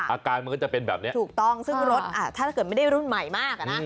อาการมันก็จะเป็นแบบนี้ถูกต้องซึ่งรถถ้าเกิดไม่ได้รุ่นใหม่มากอ่ะนะ